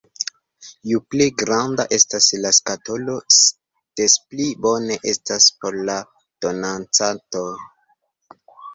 Ju pli granda estas la skatolo, des pli bone estas por la donacanto.